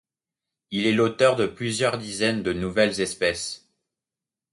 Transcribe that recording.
Il est l’auteur de plusieurs dizaines de nouvelles espèces.